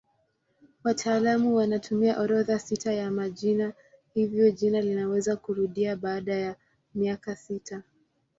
Wataalamu wanatumia orodha sita ya majina hivyo jina linaweza kurudia baada ya miaka sita.